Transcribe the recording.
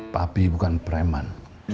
papi bukan preman